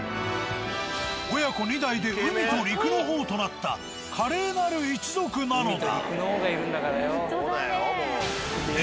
親子２代で海と陸の王となった華麗なる一族なのだ。